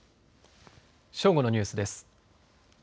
正午のニュースです。